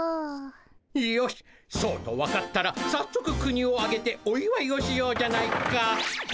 よしそうと分かったらさっそく国をあげておいわいをしようじゃないか。